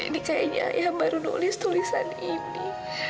ini kayaknya ya baru nulis tulisan ini